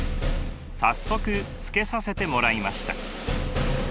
早速つけさせてもらいました。